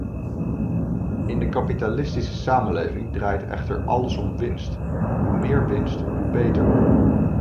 In de kapitalistische samenleving draait echter alles om winst; hoe meer winst hoe beter.